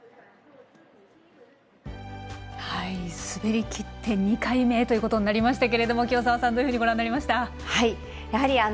滑りきって２回目ということになりましたけれども清澤さんどういうふうにご覧になりました。